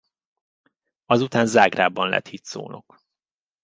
Azután Zágrábban lett hitszónok.